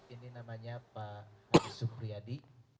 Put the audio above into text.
ini namanya pak sufriyadi